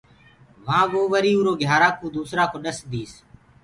وهآنٚ وو وري اُرو گھيِآرآ ڪوُ دوسرآ ڪو ڏس ديس۔